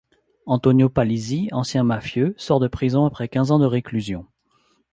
Antonio Palizzi, ancien mafieux, sort de prison après quinze ans de réclusion.